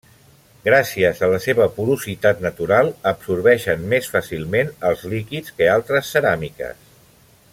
Gràcies a la seva porositat natural, absorbeixen més fàcilment els líquids que altres ceràmiques.